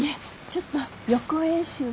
ちょっと予行演習を。